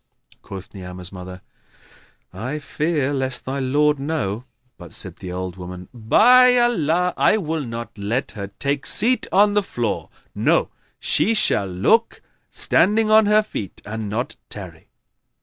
Quoth Ni'amah's mother, "I fear lest thy lord know;" but said the old woman, "By Allah, I will not let her take seat on the floor; no, she shall look, standing on her feet, and not tarry."